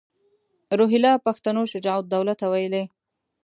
روهیله پښتنو شجاع الدوله ته ویلي.